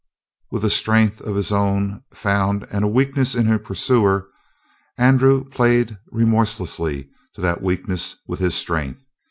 With a strength of his own found and a weakness in his pursuer, Andrew played remorselessly to that weakness with his strength.